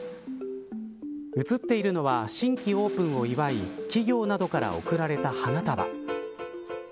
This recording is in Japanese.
映っているのは新規オープンを祝い企業などから贈られた花束。